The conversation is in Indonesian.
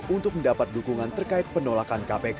untuk mendapat dukungan terkait penolakan kpk